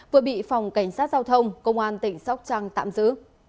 vừa bị phòng cảnh sát giao thông công an tỉnh sóc trăng tạm giữ